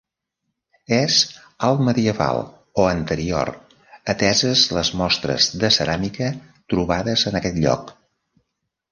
És altmedieval o anterior ateses les mostres de ceràmica trobades en aquest lloc.